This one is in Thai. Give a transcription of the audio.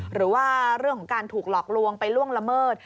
หรือว่าเรื่องของการถูกหลอกลวงไปล่วงละเมิด